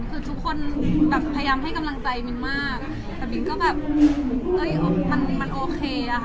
คือทุกคนพยายามให้กำลังใจมิ้นมาก